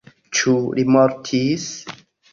Ĉu li mortis?